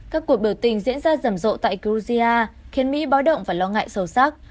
các cuộc biểu tình diễn ra rầm rộ tại georgia khiến mỹ báo động và lo ngại sâu sắc